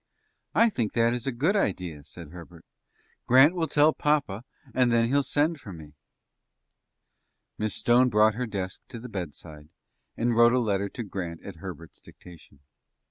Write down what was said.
"I think that will be a good idea," said Herbert; "Grant will tell papa, and then he'll send for me." Miss Stone brought her desk to the bedside, and wrote a letter to Grant at Herbert's dictation.